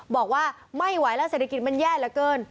บอกว่าไม่ไหวแล้วเศรษฐกิจมันแย่เหลือเกิน